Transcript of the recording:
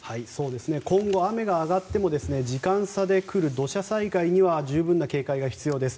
今後、雨が上がっても時間差で来る土砂災害には十分な警戒が必要です。